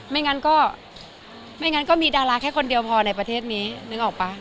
ไม่งั้นก็ไม่งั้นก็มีดาราแค่คนเดียวพอในประเทศนี้นึกออกป่ะ